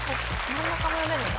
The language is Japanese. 真ん中も読めるんだ